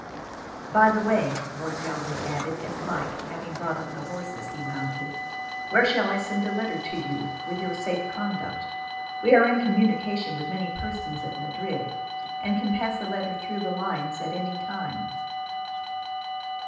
"By the way," Lord Galway added as, Mike having brought up the horses, he mounted; "where shall I send a letter to you, with your safe conduct? We are in communication with many persons at Madrid, and can pass a letter through the lines at any time."